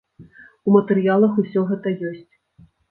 У матэрыялах усё гэта ёсць.